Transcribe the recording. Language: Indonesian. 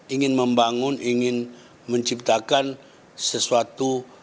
ingin membangun ingin menciptakan sesuatu